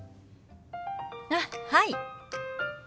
あっはい。